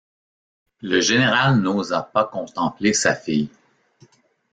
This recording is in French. Le général n’osa pas contempler sa fille.